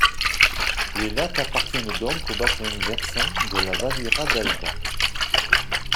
Les lacs appartiennent donc au bassin versant de la Valira del Nord.